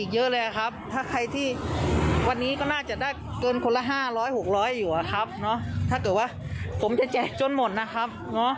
จะแจกจนหมดนะครับ